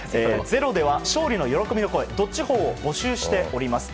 「ｚｅｒｏ」では勝利の喜びの声どっちほーを募集しています。